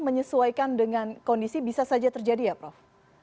menyesuaikan dengan kondisi bisa saja terjadi ya prof